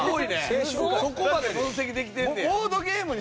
そこまで分析できてんねや。